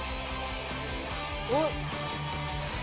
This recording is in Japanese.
おっ。